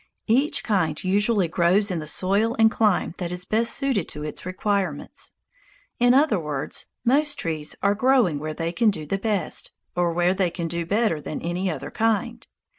Each kind usually grows in the soil and clime that is best suited to its requirements; in other words, most trees are growing where they can do the best, or where they can do better than any other kind.